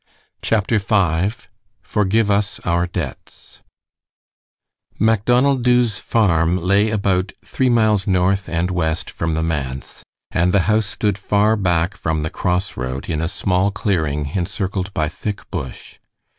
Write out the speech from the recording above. CHAPTER V FORGIVE US OUR DEBTS Macdonald Dubh's farm lay about three miles north and west from the manse, and the house stood far back from the cross road in a small clearing encircled by thick bush.